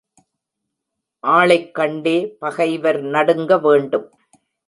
ஆளைக் கண்டே பகைவர் நடுங்க வேண்டும்.